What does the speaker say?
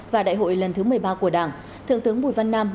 và đại hội lần thứ một mươi ba của đảng thượng tướng bùi văn nam